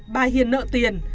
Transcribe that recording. bà hiền nợ tiền